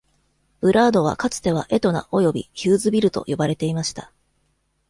ブラードはかつては「エトナ」および「ヒューズビル」と呼ばれていました。